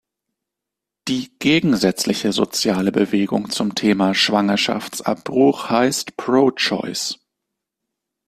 Die gegensätzliche soziale Bewegung zum Thema Schwangerschaftsabbruch heißt Pro-Choice.